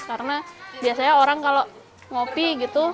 karena biasanya orang kalau ngopi gitu